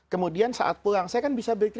kemudian saat pulang saya kan bisa